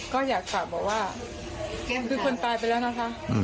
ก็อยากฝากบอกว่าคือคนตายไปแล้วนะคะ